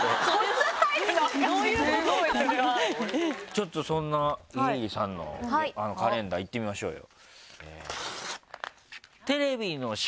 ちょっとそんな家入さんのカレンダーいってみましょうよ。